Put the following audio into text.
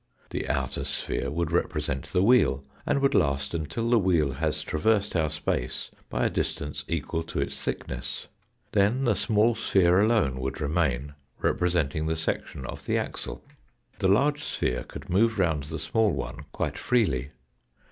The outer sphere would represent the wheel, and would last until the wheel has traversed our space by a distance equal to its thickness. Then the small sphere alone would remain, representing the section of the axle. The large sphere could move round the small one quite freely.